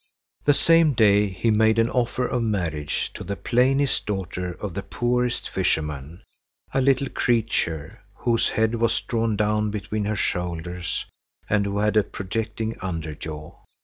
The same day he made an offer of marriage to the plainest daughter of the poorest fisherman, a little creature, whose head was drawn down between her shoulders and who had a projecting under jaw.